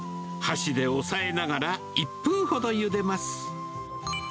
箸で押さえながら、１分ほどゆでます。